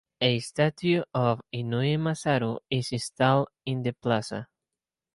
A statue of Inoue Masaru is installed in the plaza.